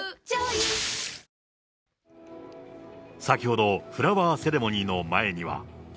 先ほどフラワーセレモニーの前には。